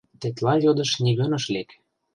Тетла йодыш нигӧн ыш лек.